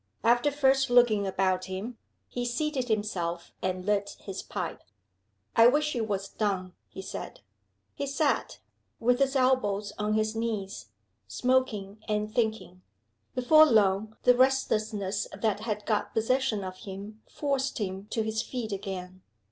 After first looking about him, he seated himself and lit his pipe. "I wish it was done!" he said. He sat, with his elbows on his knees, smoking and thinking. Before long the restlessness that had got possession of him forced him to his feet again.